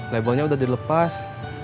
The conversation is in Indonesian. labelnya udah dilepas